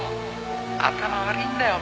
頭悪いんだよ